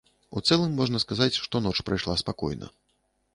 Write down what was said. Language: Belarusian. У цэлым можна сказаць, што ноч прайшла спакойна.